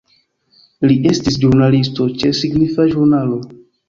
Li estis ĵurnalisto ĉe signifa ĵurnalo.